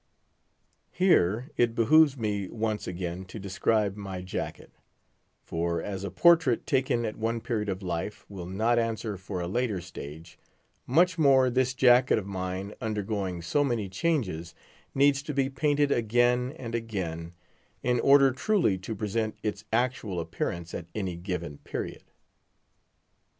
Here it behooves me once again to describe my jacket; for, as a portrait taken at one period of life will not answer for a later stage; much more this jacket of mine, undergoing so many changes, needs to be painted again and again, in order truly to present its actual appearance at any given period.